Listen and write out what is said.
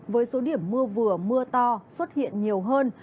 với số điểm mưa vừa mưa to xuất hiện nhiều hơn